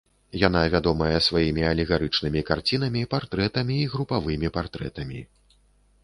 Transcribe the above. Яна вядомая сваімі алегарычнымі карцінамі, партрэтамі і групавымі партрэтамі.